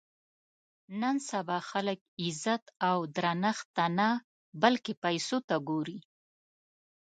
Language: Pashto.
نن سبا خلک عزت او درنښت ته نه بلکې پیسو ته ګوري.